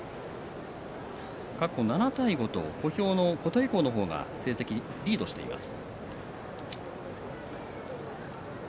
過去７対５と小兵の琴恵光の方が成績リードしています。